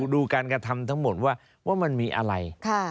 ดูการกระทำทั้งหมดว่ามันมีอะไร